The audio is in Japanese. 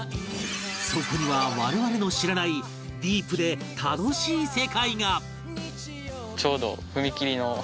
そこには我々の知らないディープで楽しい世界が！